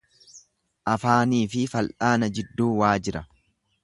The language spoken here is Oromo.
Afaaniifi fal'aana jidduu waa jira.